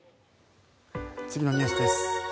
次のニュースです。